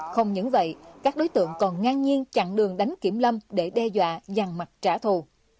không những vậy các đối tượng còn ngang nhiên chặn đường đánh kiểm lâm để đe dọa dàn mặt trả thù